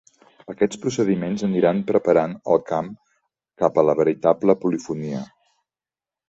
Aquests procediments aniran preparant el camp cap a la veritable polifonia.